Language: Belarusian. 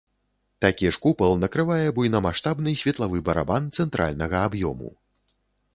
Такі ж купал накрывае буйнамаштабны светлавы барабан цэнтральнага аб'ёму.